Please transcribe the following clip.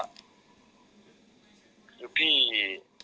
หรือพี่